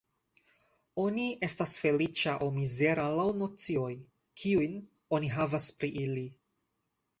Oni estas feliĉa aŭ mizera laŭ nocioj, kiujn oni havas pri ili.